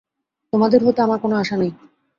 তোমাদের হতে আমার কোন আশা নাই।